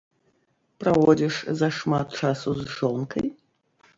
Праводзіш зашмат часу з жонкай?